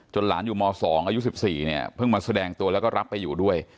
หลานอยู่ม๒อายุ๑๔เนี่ยเพิ่งมาแสดงตัวแล้วก็รับไปอยู่ด้วย